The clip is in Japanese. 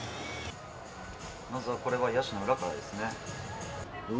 まずはこれは野手の裏からですね。